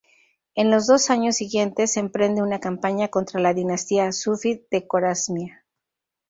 En los dos años siguientes, emprende una campaña contra la dinastía Sufí de Corasmia.